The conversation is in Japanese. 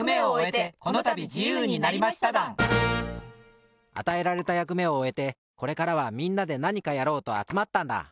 ぼくたちあたえられたやくめをおえてこれからはみんなでなにかやろうとあつまったんだ。